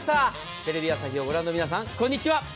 テレビ朝日をご覧の皆さんこんにちは。